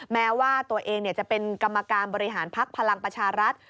แม้ว่าตัวเองจะเป็นกรรมการบริหารภักดิ์พลังประชารัฐ